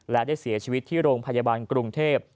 และได้เสียชีวิตที่โรงพยาบาลกรุงเทพ